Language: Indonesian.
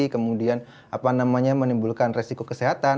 kemudian apa namanya menimbulkan resiko kesehatan